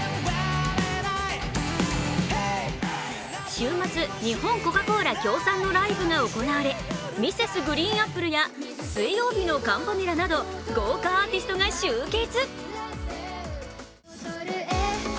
週末、日本コカ・コーラ協賛のライブが行われＭｒｓ．ＧＲＥＥＮＡＰＰＬＥや水曜日のカンパネラなど豪華アーティストが集結。